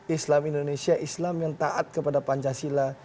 islam indonesia islam yang taat kepada pancasila